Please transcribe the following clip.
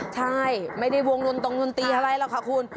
ใช่ไม่ได้วงหลวงตรงนตรีอะไรหรอกคุณ